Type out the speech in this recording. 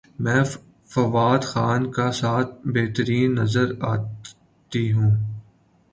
میں فواد خان کے ساتھ بہترین نظر اتی ہوں